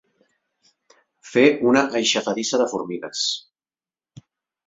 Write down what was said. Fer una aixafadissa de formigues.